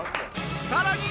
さらに。